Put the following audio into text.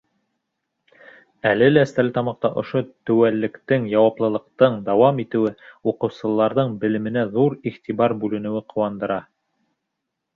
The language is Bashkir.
Әле лә Стәрлетамаҡта ошо теүәллектең, яуаплылыҡтың дауам итеүе, уҡыусыларҙың белеменә ҙур иғтибар бүленеүе ҡыуандыра.